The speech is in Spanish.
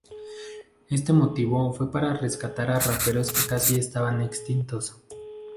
Este motivo fue para rescatar a raperos que casi estaban extintos.